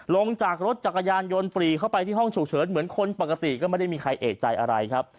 ลงจากรถจักรยานยนต์ปรีเข้าไปที่ห้องฉุกเฉินเหมือนคนปกติก็ไม่ได้มีใครเอกใจอะไรครับ